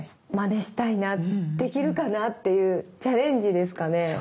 まねしたいなできるかなっていうチャレンジですかね。